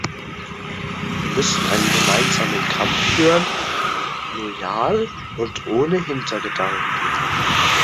Wir müssen einen gemeinsamen Kampf führen, loyal und ohne Hintergedanken.